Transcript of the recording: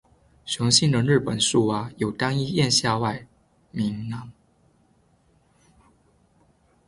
雄性的日本树蛙有单一咽下外鸣囊。